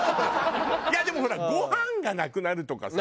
いやでもほらご飯がなくなるとかさ。